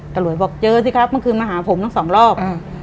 ตำรวจบอกเจอสิครับเมื่อคืนมาหาผมทั้งสองรอบ